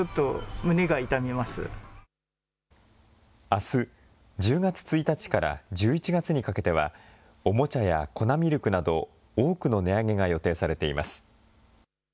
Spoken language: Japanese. あす１０月１日から１１月にかけては、おもちゃや粉ミルクなど、多くの値上げが予定されています。